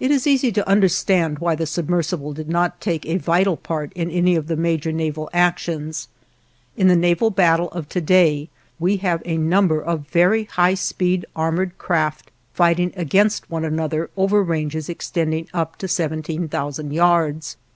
It is easy to understand why the submersible did not take a vital part in any of the major naval actions. In the naval battle of to day we have a number of very high speed armored craft fighting against one another over ranges extending up to 17,000 yards.